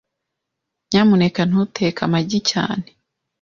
Nyamuneka ntuteke amagi cyane.